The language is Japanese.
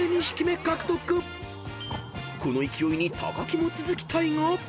［この勢いに木も続きたいが］